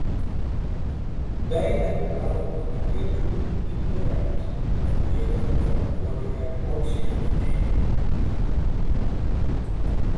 Beiden waren tot hiertoe niet bereid hun volledige verantwoordelijkheid op zich te nemen.